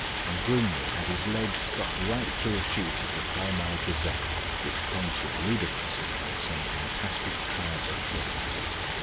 And Greenwood had his leg stuck right through a sheet of the Pall Mall Gazette, which clung to it ludicrously, like some fantastic trouser frill.